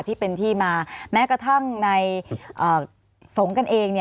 ที่เป็นที่มาแม้กระทั่งในสงฆ์กันเอง